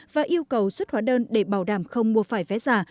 và yêu cầu xuất hóa đơn để bảo đảm không mua phải vé giả